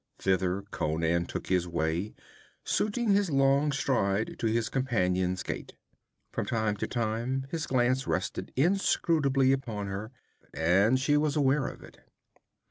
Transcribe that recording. Thither Conan took his way, suiting his long stride to his companion's gait. From time to time his glance rested inscrutably upon her, and she was aware of it.